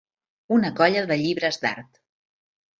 Una colla de llibres d'art.